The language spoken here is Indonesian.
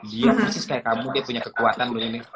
dia persis kayak kamu dia punya kekuatan